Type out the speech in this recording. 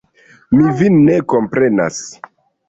Mi vin ne komprenas.